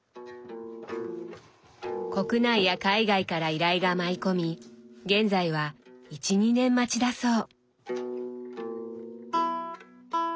国内や海外から依頼が舞い込み現在は１２年待ちだそう。